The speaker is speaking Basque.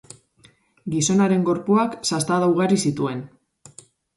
Gizonaren gorpuak sastada ugari zituen.